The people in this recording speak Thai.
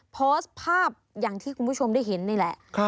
โพสต์ภาพอย่างที่คุณผู้ชมได้เห็นนี่แหละ